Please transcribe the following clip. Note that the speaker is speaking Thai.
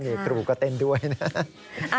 นี่กรูก็เต้นด้วยนะ